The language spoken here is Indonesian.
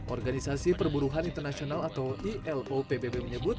organisasi perburuhan internasional atau ilpopbb menyebut